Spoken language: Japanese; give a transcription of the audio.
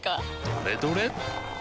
どれどれっ！